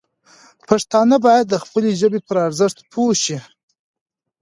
پښتانه باید د خپلې ژبې پر ارزښت پوه شي.